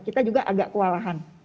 kita juga agak kewalahan